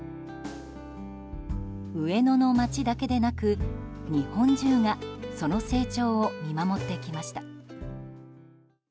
上野の街だけでなく日本中がその成長を見守ってきました。